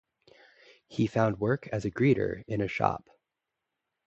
He found work as a greeter in a shop.